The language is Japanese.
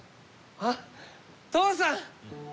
あっ父さん！